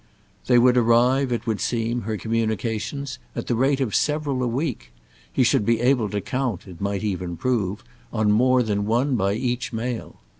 They would arrive, it would seem, her communications, at the rate of several a week; he should be able to count, it might even prove, on more than one by each mail.